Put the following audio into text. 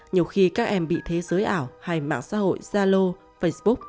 nhiều khi các em bị thế giới ảo hay mạng xã hội zalo facebook